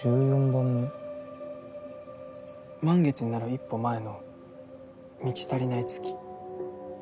満月になる一歩前の満ち足りない月。